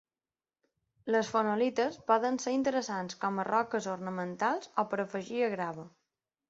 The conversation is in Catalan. Les fonolites poden ser interessants com a roques ornamentals o per afegir a grava.